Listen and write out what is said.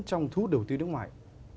cho các khu đầu tư nước ngoài